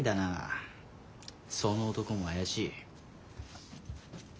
その男も怪しい。